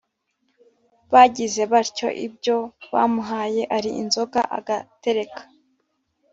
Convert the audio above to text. bagize batyo, ibyo bamuhaye ari inzoga agatereka,